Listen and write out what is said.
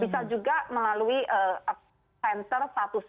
bisa juga melalui sensor satu ratus sembilan puluh enam